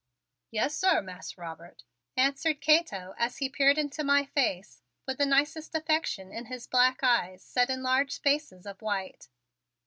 "Yes, sir, Mas' Robert," answered Cato as he peered into my face with the nicest affection in his black eyes set in large spaces of white.